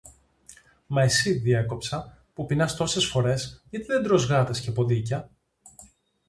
Μα εσύ διέκοψα, που πεινάς τόσες φορές, γιατί δεν τρως γάτες και ποντίκια;